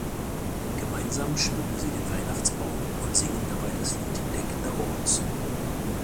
Gemeinsam schmücken sie den Weihnachtsbaum und singen dabei das Lied Deck the Halls.